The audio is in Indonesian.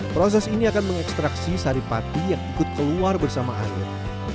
proses ini akan mengekstraksi sari pati yang ikut keluar bersama air